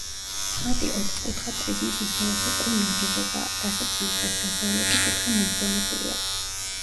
ხატი ოთხკუთხა პრიზმის მსგავსი ყრუ ნაგებობაა, რასაც სამხრეთ-დასავლეთი კუთხე მომრგვალებული აქვს.